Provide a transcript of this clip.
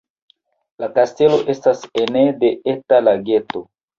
La kastelo estas ene de eta lageto.